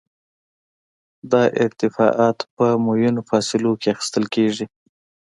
دا ارتفاعات په معینو فاصلو کې اخیستل کیږي